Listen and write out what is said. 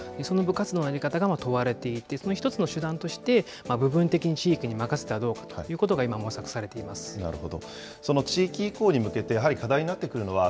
その部活動のやり方が問われていて、その一つの手段として、部分的に地域に任せたらどうかというなるほど。